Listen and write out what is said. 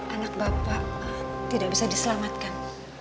anak bapak tidak bisa diselamatkan